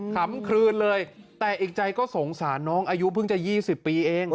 คำคลืนเลยแต่อีกใจก็สงสารน้องอายุเพิ่งจะ๒๐ปีเอง